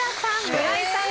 村井さん